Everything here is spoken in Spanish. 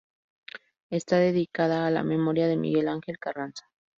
Está dedicada a la memoria de Miguel Ángel Carranza.